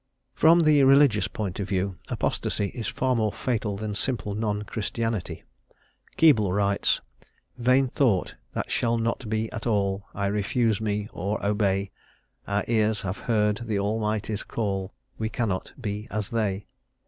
From the religious point of view, apostacy is far more fatal than simple non Christianity. Keble writes: "Vain thought, that shall not be at all I Refuse me, or obey, Our ears have heard the Almighty's call, We cannot be as they."